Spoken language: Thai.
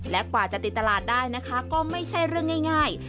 และกว่าจะติดตลาดได้นะคะก็ไม่ใช่เรื่องง่าย